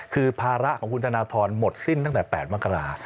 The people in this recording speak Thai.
คือภาระของคุณธนทรหมดสิ้นตั้งแต่๘มกรา